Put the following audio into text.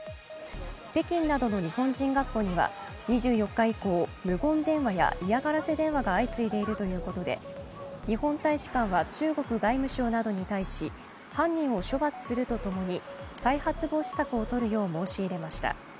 北京などの日本人学校には２４日以降無言電話や嫌がらせ電話が相次いでいるということで日本大使館は中国外務省などに対し犯人を処罰するとともに再発防止策をとるよう申し入れました。